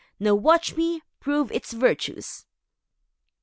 Now watch me prove its virtues."